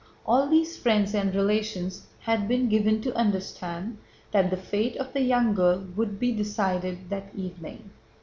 All these friends and relations had been given to understand that the fate of the young girl would be decided that evening.